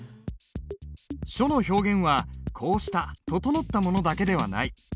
書の表現はこうした整ったものだけではない。